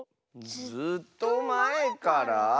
ずっとまえから？